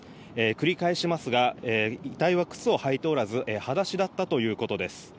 繰り返しますが遺体は靴を履いておらず裸足だったということです。